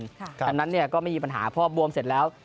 ดังนั้นก็ไม่มีปัญหาพอบวมเสร็จแล้ว